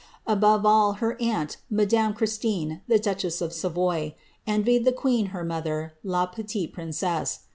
Above all, her aunt, madame Christine, the duchess of Savoy, ei vied the queen, her mother, la petite princesse.